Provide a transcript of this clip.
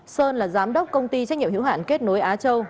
sơn là giám đốc công ty trách nhiệm hữu hạn kết nối á châu